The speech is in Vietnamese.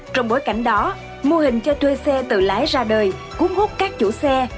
trong bối cảnh đó mô hình cho thuê xe tự lái ra đời cúng gốc các chủ xe